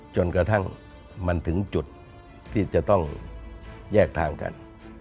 จนกระทั่งมันถึงจุดที่จะต้องแยกทางกัน